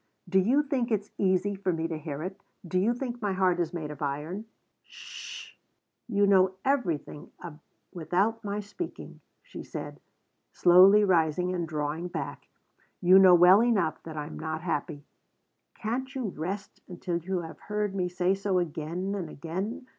"Do you think it's easy for me to hear it? Do you think my heart is made of iron?" "'S sh! You know everything without my speaking," she said, slowly rising and drawing back. "You know well enough that I am not happy. Can't you rest until you have heard me say so again and again?